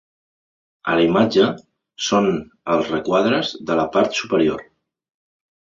A la imatge són els requadres de la part superior.